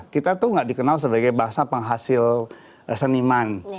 kita tuh gak dikenal sebagai bahasa penghasil seniman